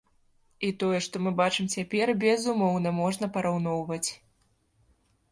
І тое, што мы бачым цяпер, безумоўна, можна параўноўваць.